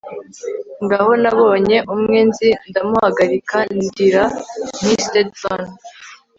Ngaho nabonye umwe nzi ndamuhagarika ndira nti Stetson